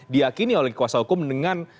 diakini oleh kuasa hukum dengan